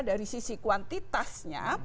dari sisi kuantitasnya